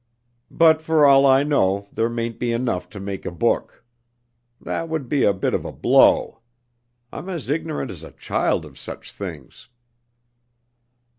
But for all I know there mayn't be enough to make a book. That would be a bit of a blow! I'm as ignorant as a child of such things."